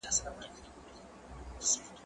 زه اوس سبزیحات جمع کوم؟!